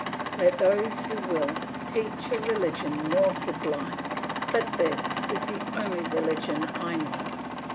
Let those who will, teach a religion more sublime, but this is the only religion I know.